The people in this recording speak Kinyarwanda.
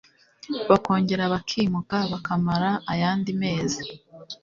bakongera bakimuka, bakamara ayandi mezi